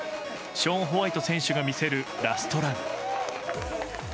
ショーン・ホワイト選手が見せるラストラン。